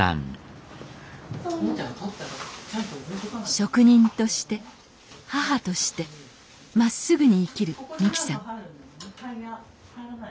職人として母としてまっすぐに生きる美紀さん